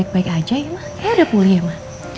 baik baik aja ya mah kayaknya udah pulih ya mah